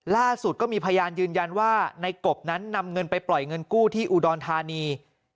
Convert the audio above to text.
ล่าสุดก็มีพยานยืนยันว่าในกบนั้นนำเงินไปปล่อยเงินกู้ที่อุดรธานี